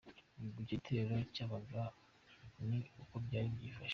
Ubwo icyo gitero cyabaga ni uko byari byifashe.